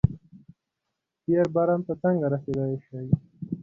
تېر برم ته څنګه رسېدای شي.